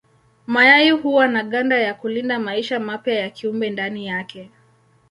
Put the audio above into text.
Mayai huwa na ganda ya kulinda maisha mapya ya kiumbe ndani yake.